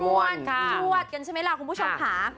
่วดอะไรใช่ไหมละคุณผู้ชมหา